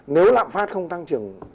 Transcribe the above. nếu lạm phát không tăng trưởng